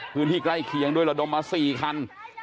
พื้นที่ใกล้เคียงด้วยระดมมา๔คัน